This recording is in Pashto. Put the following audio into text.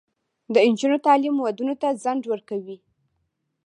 د نجونو تعلیم ودونو ته ځنډ ورکوي.